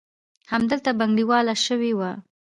همدلته بنګړیواله شوې وه.